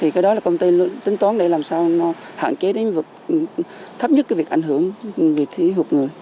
cái đó là công ty tính toán để làm sao nó hạn chế đến vực thấp nhất cái việc ảnh hưởng về thí hụt người